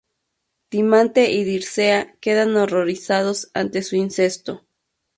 Timante y Dircea quedan horrorizados ante su incesto.